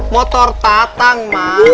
motor tatang mak